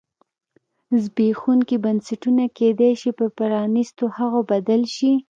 زبېښونکي بنسټونه کېدای شي پر پرانیستو هغو بدل شي.